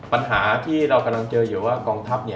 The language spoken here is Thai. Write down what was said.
ปัญหาที่เรากำลังเจออยู่ว่ากองทัพ